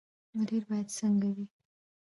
مدیر باید څنګه وي؟